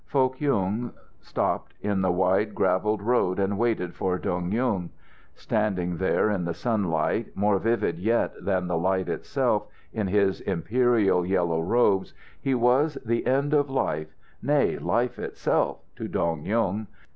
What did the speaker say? Foh Kyung stopped in the wide gravelled road and waited for Dong Yung. Standing there in the sunlight, more vivid yet than the light itself, in his imperial yellow robes he was the end of life, nay, life itself, to Dong Yung.